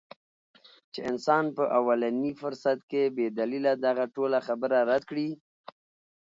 چې انسان پۀ اولني فرصت کښې بې دليله دغه ټوله خبره رد کړي -